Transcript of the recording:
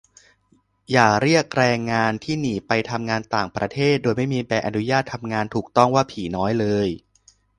อย่าเรียกแรงงานที่หนีไปทำงานต่างประเทศโดยไม่มีใบอนุญาตทำงานถูกต้องว่า "ผีน้อย" เลย